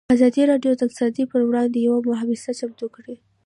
ازادي راډیو د اقتصاد پر وړاندې یوه مباحثه چمتو کړې.